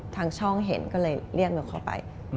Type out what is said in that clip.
ทางช่องเห็นก็เลยเรียกหนูเข้าไป